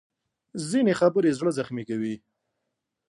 ځینې خبرې زړه زخمي کوي